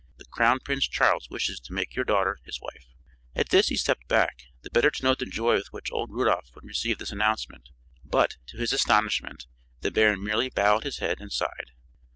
The Crown Prince Charles wishes to make your daughter his wife!" At this he stepped back, the better to note the joy with which old Rudolph would receive this announcement, but, to his astonishment, the baron merely bowed his head and sighed.